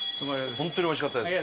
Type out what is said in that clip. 本当においしかったです。